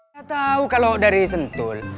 saya tahu kalau dari sentul